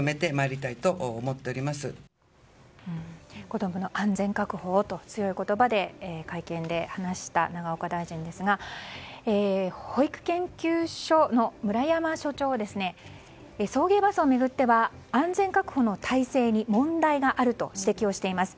子供の安全確保をと強い言葉で会見で話した永岡大臣ですが保育研究所の村山所長は送迎バスを巡っては安全確保の体制に問題があると指摘をしています。